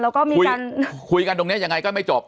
แล้วก็มีการคุยกันตรงนี้ยังไงก็ไม่จบ